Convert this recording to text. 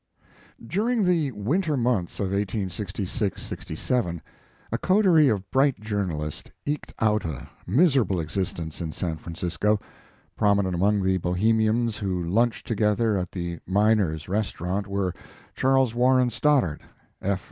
During the winter months of 1866 7, a coterie of bright journalists eked out a miserable existence in San Francisco. Prominent among the Bohemians who lunched together at the Miners Restau rant were Charles Warren Stoddard, F.